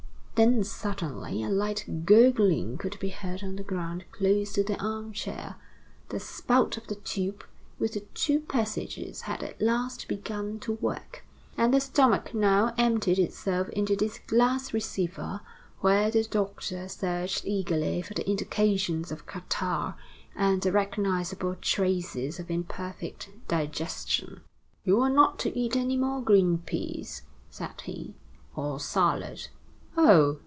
Then suddenly a light gurgling could be heard on the ground close to the armchair. The spout of the tube with the two passages had at last begun to work; and the stomach now emptied itself into this glass receiver where the doctor searched eagerly for the indications of catarrh and the recognizable traces of imperfect digestion. "You are not to eat any more green peas," said he, "or salad. Oh!